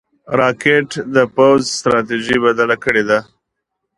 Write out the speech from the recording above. راکټ د پوځ ستراتیژي بدله کړې ده